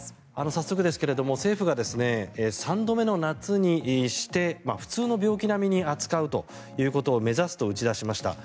早速ですが政府が３度目の夏にして普通の病気並みに扱うということを目指すと打ち出しました。